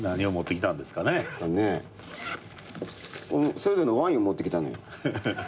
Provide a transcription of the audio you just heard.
それぞれのワインを持ってきたのよ。